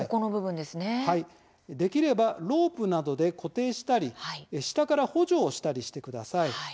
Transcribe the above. できればロープなどで固定したり下から補助をしたりしてください。